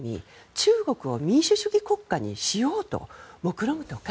中国を民主主義国家にしようと目論むとか